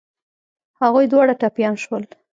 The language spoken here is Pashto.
هغوی دواړه ټپيان شول.